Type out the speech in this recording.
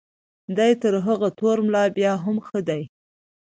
دی تر هغه تور ملا بیا هم ښه دی.